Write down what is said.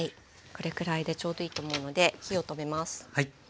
これくらいでちょうどいいと思うので火を止めます。